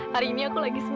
hari ini aku lagi sembunyi